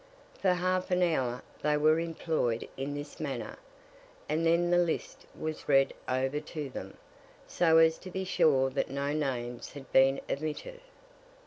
For half an hour they were employed in this manner, and then the list was read over to them, so as to be sure that no names had been omitted.